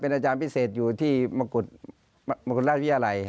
อาจารย์พิเศษอยู่ที่มกุฎมกุฎราชวิทยาลัย